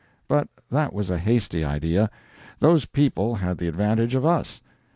But that was a hasty idea. Those people had the advantage of US.